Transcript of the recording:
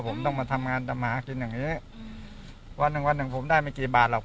ผมต้องมาทำงานทำมาหากินอย่างเยอะวันหนึ่งวันหนึ่งผมได้ไม่กี่บาทหรอก